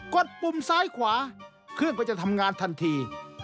ดปุ่มซ้ายขวาเครื่องก็จะทำงานทันที